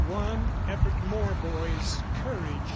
"One effort more, boys! Courage!